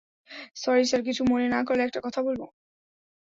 Sorry sir, কিছু মনে না করলে একটা কথা বলব?